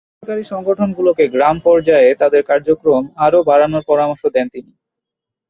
বেসরকারি সংগঠনগুলোকে গ্রাম পর্যায়ে তাদের কার্যক্রম আরও বাড়ানোর পরামর্শ দেন তিনি।